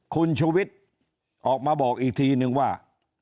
คุณชุวิตออกมาบอกอีกทีนึงว่า